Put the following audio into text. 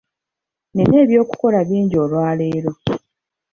Nina eby'okukola bingi olwaleero.